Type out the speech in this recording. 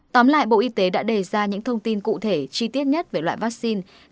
tóm lại bộ y tế đã đề ra những thông tin cụ thể chi tiết nhất về loại vaccine